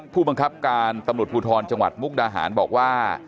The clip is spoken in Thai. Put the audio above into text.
ผู้บังคับการตำรวจภูทรจังหวัดมุกดาหารบอกว่า